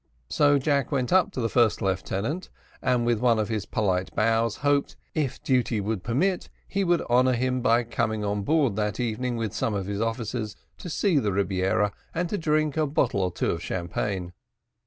So Jack went up to the first lieutenant, and with one of his polite bows hoped, "if duty would permit, he would honour him by coming on board that evening with some of his officers, to see the Rebiera and to drink a bottle or two of champagne."